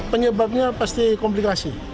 penyebabnya pasti komplikasi